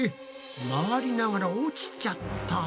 回りながら落ちちゃった！